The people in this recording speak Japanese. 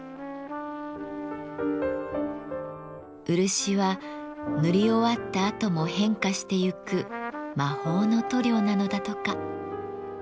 漆は塗り終わったあとも変化してゆく魔法の塗料なのだとか。